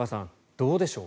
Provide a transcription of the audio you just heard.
どうでしょう